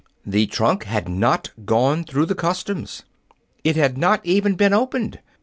The trunk had not gone through the customs. It had not even been opened.